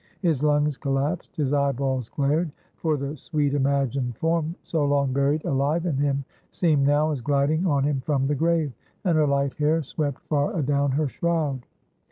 His lungs collapsed; his eyeballs glared; for the sweet imagined form, so long buried alive in him, seemed now as gliding on him from the grave; and her light hair swept far adown her shroud.